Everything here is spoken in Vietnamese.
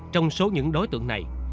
trong số những đối tượng này